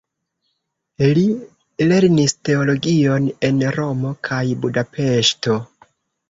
Li lernis teologion en Romo kaj Budapeŝto.